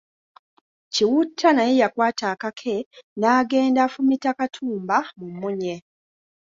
Kiwutta naye yakwata akake n’agenda afumita Katumba mu munnye.